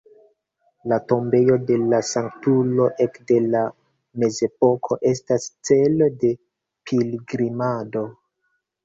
La tombejo de la sanktulo ekde la mezepoko estas celo de pilgrimado.